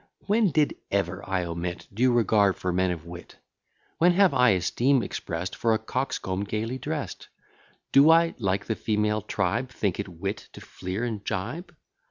When did ever I omit Due regard for men of wit? When have I esteem express'd For a coxcomb gaily dress'd? Do I, like the female tribe, Think it wit to fleer and gibe?